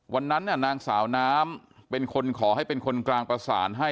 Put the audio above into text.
วันนั้นนางสาวน้ำเป็นคนขอให้เป็นคนกลางประสานให้